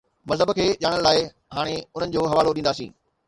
مذهب کي ڄاڻڻ لاءِ هاڻي انهن جو حوالو ڏينداسين.